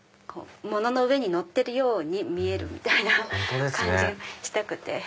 物の上に乗ってるように見えるみたいな感じにしたくて。